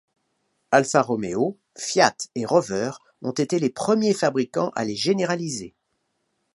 Alfa Romeo, Fiat et Rover ont été les premiers fabricants à les généraliser.